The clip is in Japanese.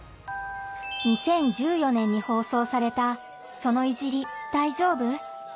２０１４年に放送された「その“いじり”、大丈夫？」。